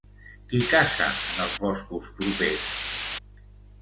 Qui caça en els boscos propers?